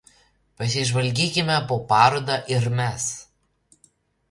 Pasižvalgykime po parodą ir mes